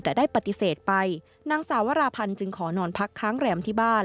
แต่ได้ปฏิเสธไปนางสาวราพันธ์จึงขอนอนพักค้างแรมที่บ้าน